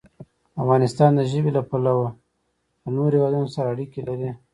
افغانستان د ژبې له پلوه له نورو هېوادونو سره اړیکې لري.